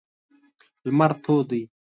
لمر تود دی.